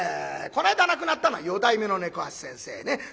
この間亡くなったのは四代目の猫八先生ね。